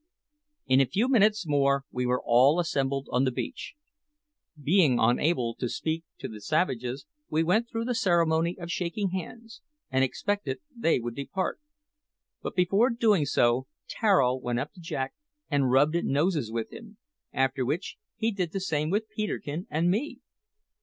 In a few minutes more we were all assembled on the beach. Being unable to speak to the savages, we went through the ceremony of shaking hands, and expected they would depart; but before doing so, Tararo went up to Jack and rubbed noses with him, after which he did the same with Peterkin and me!